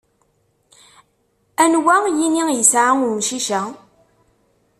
Anwa yini isεa umcic-a?